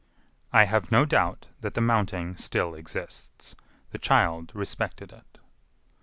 "I have no doubt that the mounting still exists. The child respected it."